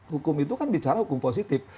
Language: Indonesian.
hukum itu kan bicara hukum positif